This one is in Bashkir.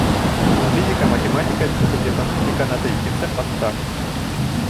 Физика-математика факультетының деканаты икенсе ҡатта.